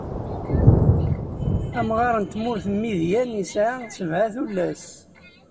Amɣaṛ n tmurt n Midyan isɛa sebɛa n tullas.